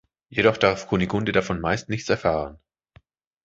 Jedoch darf Kunigunde davon meist nichts erfahren.